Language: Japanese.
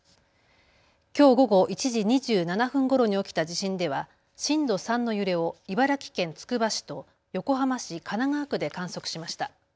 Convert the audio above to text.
きょう午後１時２７分ごろに起きた地震では震度３の揺れを茨城県つくば市と横浜市神奈川区で観測しました。